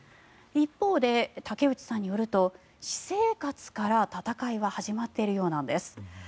一方で竹内さんによると私生活から戦いは始まっているようなんです。